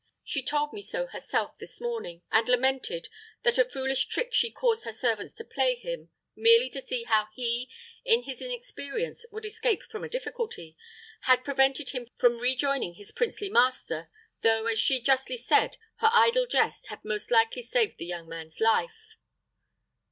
She told me so herself this morning, and lamented that a foolish trick she caused her servants to play him merely to see how he, in his inexperience, would escape from a difficulty had prevented him from rejoining his princely master, though, as she justly said, her idle jest had most likely saved the young man's life."